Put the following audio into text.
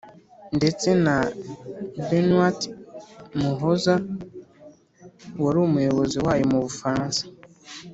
ndetse na benoit muhoza wari umuyobozi wayo mu bufaransa